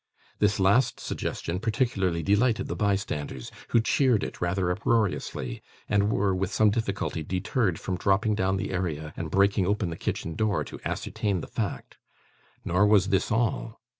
This last suggestion particularly delighted the bystanders, who cheered it rather uproariously, and were, with some difficulty, deterred from dropping down the area and breaking open the kitchen door to ascertain the fact. Nor was this all.